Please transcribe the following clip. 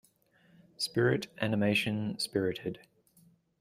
Spirit animation Spirited.